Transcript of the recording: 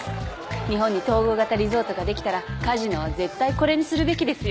日本に統合型リゾートができたらカジノは絶対これにするべきですよ。